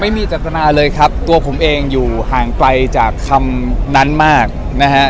จัตนาเลยครับตัวผมเองอยู่ห่างไกลจากคำนั้นมากนะฮะ